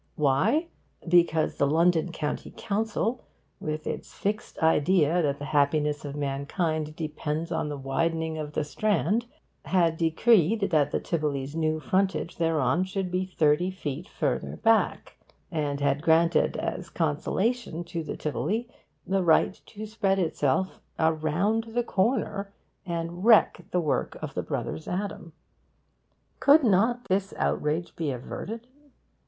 Why? Because the London County Council, with its fixed idea that the happiness of mankind depends on the widening of the Strand, had decreed that the Tivoli's new frontage thereon should be thirty feet further back, and had granted as consolation to the Tivoli the right to spread itself around the corner and wreck the work of the Brothers Adam. Could not this outrage be averted?